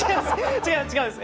違う違うんです！